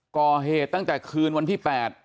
ก่อเหตุตั้งแต่คืนวันที่๘